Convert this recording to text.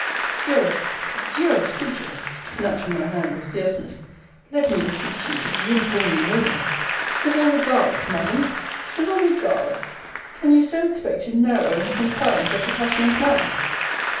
Dearest, dearest creature! snatching my hand with fierceness, let me beseech you to be uniformly noble! Civil regards, Madam! Civil regards! Can you so expect to narrow and confine such a passion as mine?